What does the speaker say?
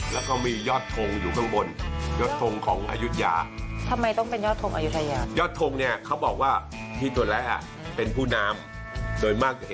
จริงแล้วจะเป็นพ่อกับแม่